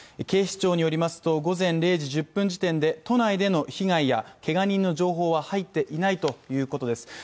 警視庁によりますと午前０時１０分時点で都内での被害やけが人の情報は入っていないということです。